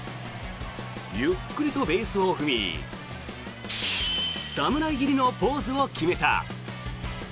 ゆっくりとベースを踏み侍切りのポーズを決めた。